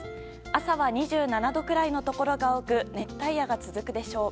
朝は２７度くらいのところが多く熱帯夜が続くでしょう。